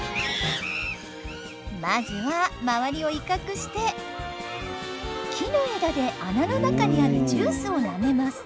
まずは周りを威嚇して木の枝で穴の中にあるジュースをなめます。